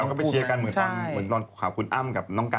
ก็ไปเชียร์กันเหมือนตอนข่าวคุณอ้ำกับน้องกัน